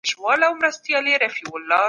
ما او تا د وخت